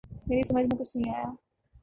میری سمجھ میں کچھ نہ آیا۔